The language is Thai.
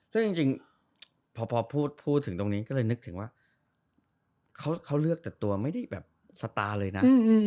ซึ่งจริงพอพูดถึงตรงนี้ก็เลยนึกถึงว่าเขาเลือกแต่ตัวไม่ได้แบบสตาร์เลยนะ